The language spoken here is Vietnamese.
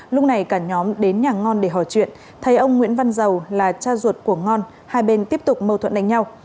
lúc này cả nhóm đến nhà ngon để hỏi chuyện thấy ông nguyễn văn giàu là cha ruột của ngon hai bên tiếp tục mâu thuẫn đánh nhau